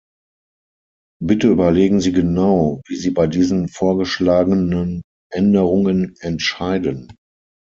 Bitte überlegen Sie genau, wie Sie bei diesen vorgeschlagenen Änderungen entscheiden.